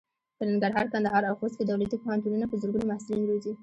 په ننګرهار، کندهار او خوست کې دولتي پوهنتونونه په زرګونو محصلین روزي.